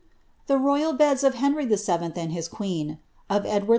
^' the royal beds of Henry VII. and his queen, of Edward VI.